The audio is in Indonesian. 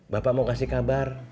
bapak mau kasih kabar